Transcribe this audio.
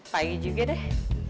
pagi juga deh